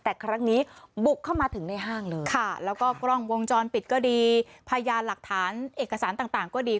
แต่ครั้งนี้บุกเข้ามาถึงในห้างเลยค่ะแล้วก็กล้องวงจรปิดก็ดีพยานหลักฐานเอกสารต่างก็ดี